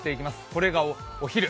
これがお昼。